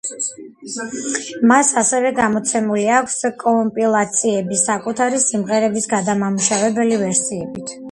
მას ასევე გამოცემული აქვს კომპილაციები საკუთარი სიმღერების გადამუშავებული ვერსიებით.